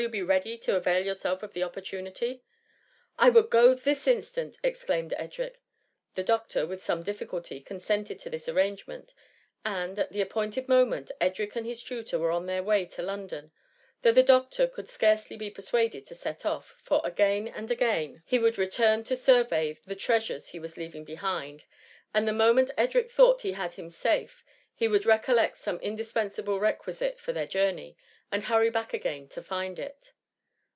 be ready to avail yourselves of the opportunity?" " I would go this instant," exclaimed Edric. The doctor, with some difficulty, consented to this arrangement, and, at the appointed mo menti Edric and his tutor were on their way to London: though the doctor could scarcely be persuaded to set off; for, again and again, he 140 THE MUMMY. would return to survey the treasures he was leaving behind, and the moment Edric thought he had him safe, he would recollect some in dispensable requisite for their journey, and hurry back again to find it.